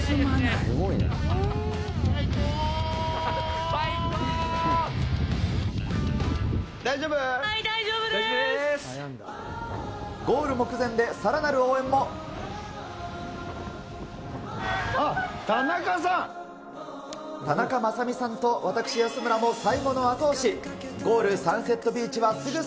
はい、大丈夫です。